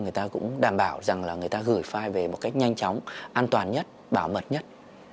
người ta cũng đảm bảo rằng là người ta gửi file về một cách nhanh chóng an toàn nhất bảo mật nhất